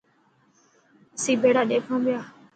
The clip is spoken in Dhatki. اسين ڀيڙا ڏيکان پيا.